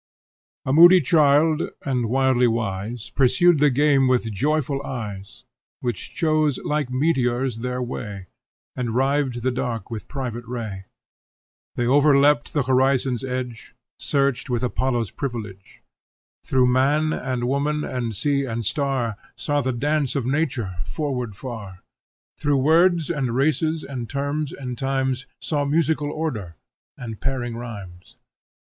A moody child and wildly wise Pursued the game with joyful eyes, Which chose, like meteors, their way, And rived the dark with private ray: They overleapt the horizon's edge, Searched with Apollo's privilege; Through man, and woman, and sea, and star Saw the dance of nature forward far; Through worlds, and races, and terms, and times Saw musical order, and pairing rhymes.